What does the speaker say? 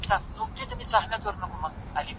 کنینگهام هم دغه برداشت تأیید کړی دی.